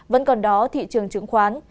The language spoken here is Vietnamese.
vẫn còn đó thị trường trứng khoán